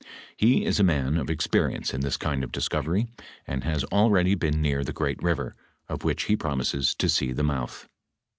He is a man of experience in this kind of discovery, and has al ready been near the great river, of which he promises to see the mouth."